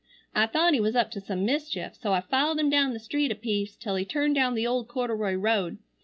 I thought he was up to some mischief so I followed him down the street a piece till he turned down the old corduroy road.